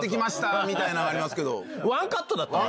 みたいなんはありますけど。